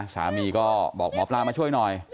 สามีก็บอกหมอปลามาช่วยหน่อย